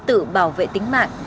tự bảo vệ tính mạng